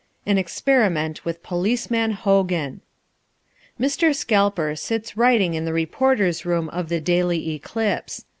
An Experiment With Policeman Hogan Mr. Scalper sits writing in the reporters' room of The Daily Eclipse.